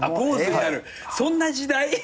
そんな時代？